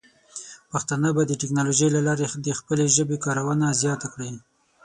پښتانه به د ټیکنالوجۍ له لارې د خپلې ژبې کارونه زیات کړي.